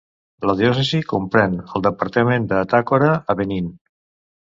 La diòcesi comprèn el departament d'Atakora, a Benín.